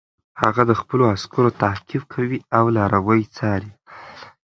هغه د خپلو عسکرو تعقیب کوي او لاروي څاري.